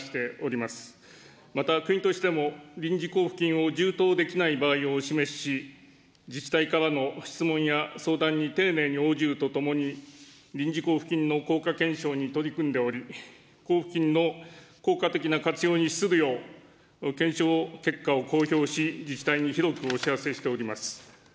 また国としても臨時交付金を充当できない場合を示し、自治体からの質問や相談に丁寧に応じるとともに、臨時交付金の効果検証に取り組んでおり、交付金の効果的な活用に資するよう、検証結果を公表し、自治体に広くお知らせしております。